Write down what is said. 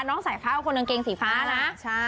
น้องสายฟ้าคนกางเกงสีฟ้านะ